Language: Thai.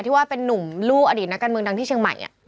ว่าเป็นนุ่มลูกอดีตนักการเมืองดังที่เชียงใหม่